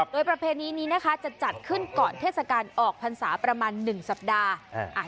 โดยประเพณีนี้นะคะจะจัดขึ้นก่อนเทศกาลออกพรรษาประมาณ๑สัปดาห์